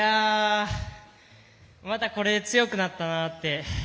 またこれで強くなったなって。